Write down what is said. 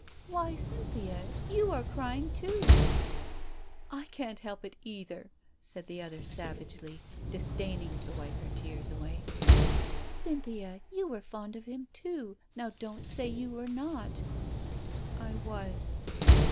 ... Why, Cynthia, you are crying too !" "I can't help it either," said the other savagely, dis daining to wipe her tears away. "Cynthia, you were fond of him, too — now don't say you were not !" "I was."